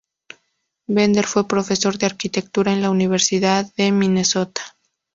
Bender fue profesor de arquitectura en la Universidad de Minnesota.